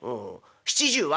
「７０は？」。